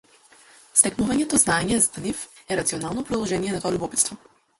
Стекнувањето знаење за нив е рационално продолжение на тоа љубопитство.